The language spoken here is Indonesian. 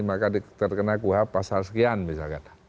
maka terkena kuhab pasal sekian misalkan